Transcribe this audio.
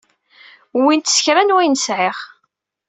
Wwint s kra n wayen sɛiɣ.